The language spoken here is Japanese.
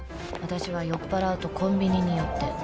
［私は酔っぱらうとコンビニに寄って］